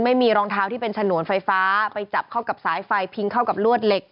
ไม่มีรองเท้าที่เป็นฉนวนไฟฟ้าไปจับเข้ากับสายไฟพิงเข้ากับลวดเหล็ก